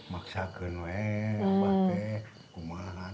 maksudnya saya harus memanfaatkan kekuatan